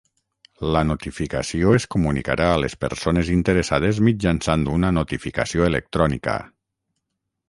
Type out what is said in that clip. La notificació es comunicarà a les persones interessades mitjançant una notificació electrònica.